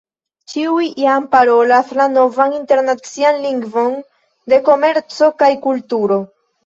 Ĉiuj jam parolas la novan internacian lingvon de komerco kaj kulturo!